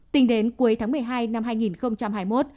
tính đến cuối tháng một mươi hai năm hai nghìn hai mươi một